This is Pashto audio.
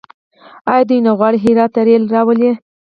آیا دوی نه غواړي هرات ته ریل راولي؟